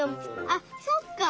あっそっか。